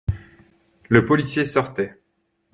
Le policier sortait.